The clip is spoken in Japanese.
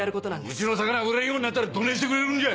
うちの魚売れんようになったらどねぇしてくれるんじゃ！